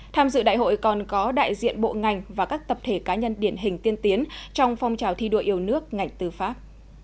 tham dự đại hội còn có đại diện bộ ngành và các tập thể cá nhân điển hình tiên tiến trong phong trào thi đua yêu nước ngành tư pháp